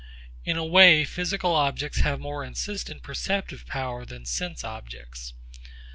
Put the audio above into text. In a way physical objects have more insistent perceptive power than sense objects.